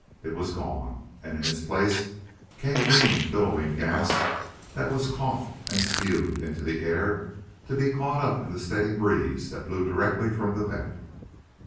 It was gone! And in its place came green, billowing gas that was coughed and spewed into the air to be caught up in the steady breeze that blew directly from the vent.